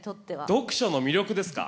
読書の魅力ですか。